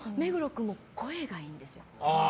君も声がいいんですよ。